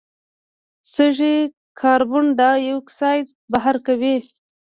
سږي کاربن ډای اکساید بهر کوي.